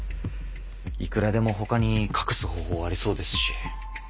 いくらでもほかに隠す方法はありそうですし。